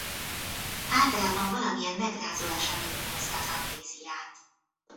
Általában valamilyen megrázó esemény okozza az amnéziát.